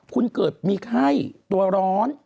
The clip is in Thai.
คุณเกิดมีไข้ตัวร้อน